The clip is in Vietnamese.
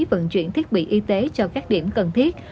vận chuyển thiết bị y tế cho các điểm cần thiết